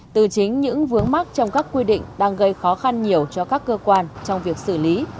từ chính những vướng mắc trong các quy định đang gây khó khăn nhiều cho các cơ quan trong việc xử lý